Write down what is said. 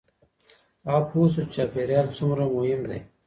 هغه پوه شو چې چاپېریال څومره مهم دی.